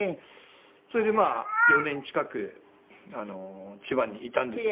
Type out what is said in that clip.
それでまあ４年近く千葉にいたんですけど。